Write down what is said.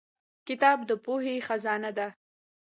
• کتاب د پوهې خزانه ده.